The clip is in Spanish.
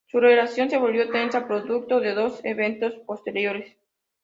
Su relación se volvió tensa producto de dos eventos posteriores.